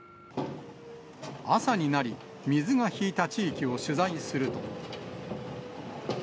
朝になり、水が引いた地域を取材すると。